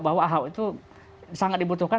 bahwa ahok itu sangat dibutuhkan